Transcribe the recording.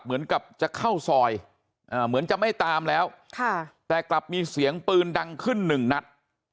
เหมือนกับจะเข้าซอยเหมือนจะไม่ตามแล้วแต่กลับมีเสียงปืนดังขึ้นหนึ่งนัด